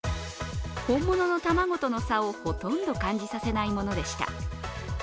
本物の卵との差をほとんど感じさせないものでした。